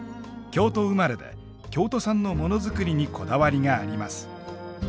京都生まれで京都産のモノづくりにこだわりがあります。